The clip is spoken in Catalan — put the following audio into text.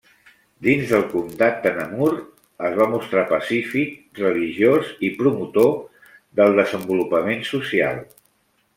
Dins del comtat de Namur, es va mostrar pacífic, religiós i promotor del desenvolupament social.